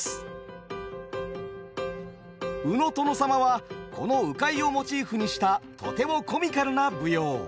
「鵜の殿様」はこの鵜飼をモチーフにしたとてもコミカルな舞踊。